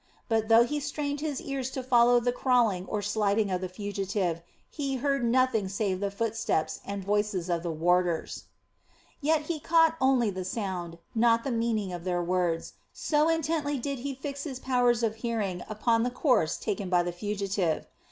But though he strained his ears to follow the crawling or sliding of the fugitive he heard nothing save the footsteps and voices of the warders. Yet he caught only the sound, not the meaning of their words, so intently did he fix his powers of hearing upon the course taken by the fugitive.